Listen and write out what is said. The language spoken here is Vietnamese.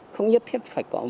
không nhất thiết phải có